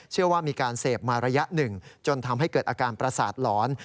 เชื่อว่ามีการเสพมาระยะหนึ่งจนทำให้เกิดอาการประสาทหลอน